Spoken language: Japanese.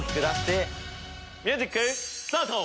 ミュージックスタート！